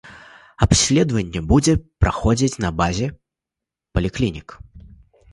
Абследаванне будзе праходзіць на базе паліклінік.